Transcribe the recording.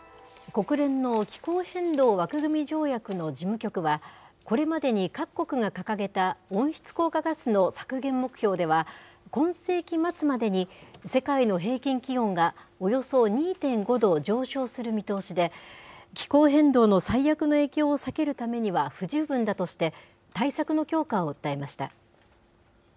国連の気候変動枠組み条約の事務局は、これまでに各国が掲げた温室効果ガスの削減目標では、今世紀末までに世界の平均気温がおよそ２．５度上昇する見通しで、気候変動の最悪の影響を避けるためには不十分だとして、対策の強化を訴えました。